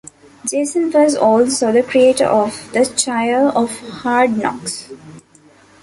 Jason was also the creator of The Choir of Hard Knocks.